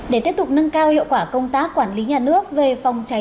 để tiếp tục nâng cao hiệu quả công tác quản lý nhà nước về phòng cháy